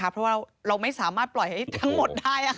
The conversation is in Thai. เพราะว่าเราไม่สามารถปล่อยให้ทั้งหมดได้